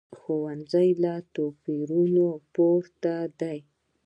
ښوونځی له توپیرونو پورته دی